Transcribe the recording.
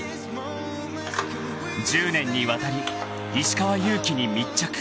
［１０年にわたり石川祐希に密着］